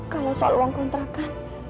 kalau soal uang kontrakan